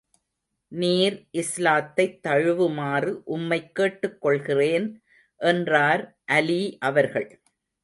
நீர் இஸ்லாத்தைத் தழுவுமாறு, உம்மைக் கேட்டுக் கொள்கிறேன் என்றார் அலீ அவர்கள்.